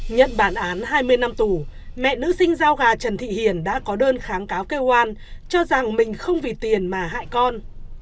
nhận bản án hai mươi năm tù mẹ nữ sinh giao gà trần thị hiền đã có đơn kháng cáo kêu oan cho rằng mình không vì tiền mà hại con